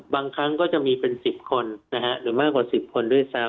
บางครั้งก็จะมีเป็น๑๐คนหรือมากกว่า๑๐คนด้วยซ้ำ